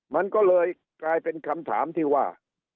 มันก็เลยกลายเป็นคำถามที่ว่า